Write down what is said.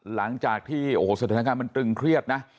หลังจากที่โอ้โหสถานการณ์มันตรึงเครียดนะ